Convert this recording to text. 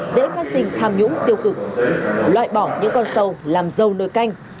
dễ phát sinh tham nhũng tiêu cực loại bỏ những con sâu làm dâu nồi canh